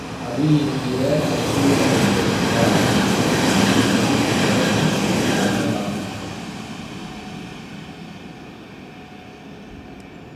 அரி என்கிற அக்ஷரம் தெரிந்தால் அதிக்கிரமம் பண்ணலாமா?